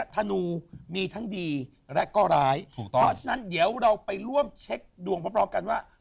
ธนูมีทั้งดีและก็ร้ายถูกต้องเพราะฉะนั้นเดี๋ยวเราไปร่วมเช็คดวงพร้อมกันว่า